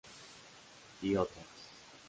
Y otras.